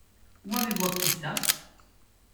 Où avez-vous appris ça ?